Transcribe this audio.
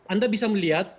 anda bisa melihat